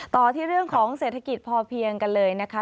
ต่อที่เรื่องของเศรษฐกิจพอเพียงกันเลยนะคะ